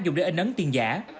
dùng để in ấn tiền giả